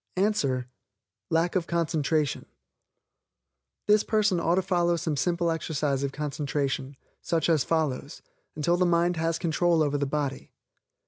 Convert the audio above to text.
Answer Lack of concentration. This person ought to follow some simple exercise of concentration, such as given below, until the mind has control over the body.